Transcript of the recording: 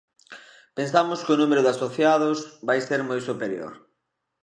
Pensamos que o número de asociados vai ser moi superior.